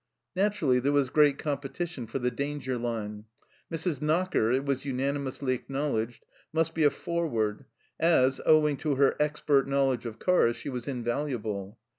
Naturally there was great competition for the danger line. Mrs. Knocker, it was unanimously acknowledged, must be a " forward " as, owing to her expert knowledge of cars, she was invaluable.